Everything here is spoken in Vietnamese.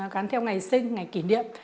gắn theo ngày sinh ngày kỷ niệm